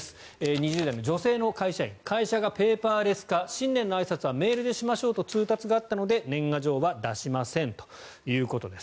２０代の女性の会社員会社がペーパーレス化新年のあいさつはメールでしましょうと通達があったので年賀状は出しませんということです。